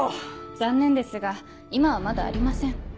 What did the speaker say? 残念ですが今はまだありません。